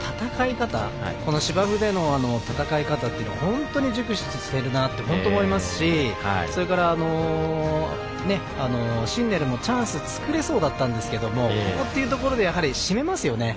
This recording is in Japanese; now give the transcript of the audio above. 芝生での戦い方というのが本当に熟知しているなと思いますしそれから、シンネルもチャンス作れそうだったんですがここっていうところで締めますよね。